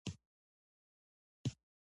کورنیو نساجانو له قانون څخه تېښته بلله.